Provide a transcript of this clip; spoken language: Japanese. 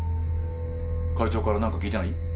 会長から何か聞いてない？